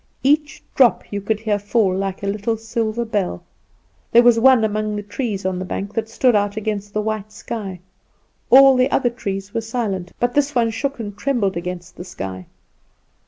Each drop you could hear fall like a little silver bell. There was one among the trees on the bank that stood cut out against the white sky. All the other trees were silent; but this one shook and trembled against the sky.